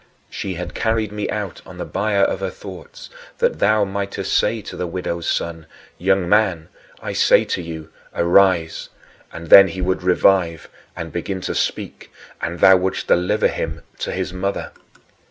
She had carried me out on the bier of her thoughts, that thou mightest say to the widow's son, "Young man, I say unto you, arise!" and then he would revive and begin to speak, and thou wouldst deliver him to his mother.